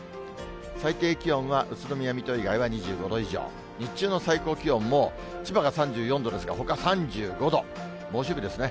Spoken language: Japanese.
最低気温は宇都宮、水戸以外は２５度以上、日中の最高気温も千葉が３４度ですが、ほか３５度、猛暑日ですね。